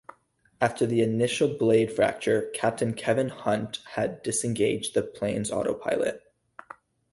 After the initial blade fracture, Captain Kevin Hunt had disengaged the plane's autopilot.